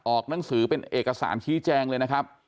หนังสือเป็นเอกสารชี้แจงเลยนะครับ